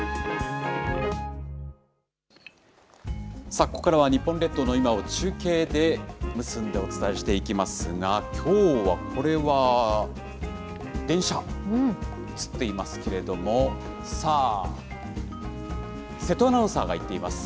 さあ、ここからは日本列島の今を中継で結んでお伝えしていきますが、きょうは、これは、電車、映っていますけれども、さあ、瀬戸アナウンサーが行っています。